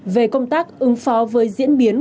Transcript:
về công tác ứng phó với diễn biến